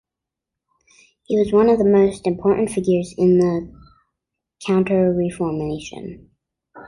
He was one of the most important figures in the Counter-Reformation.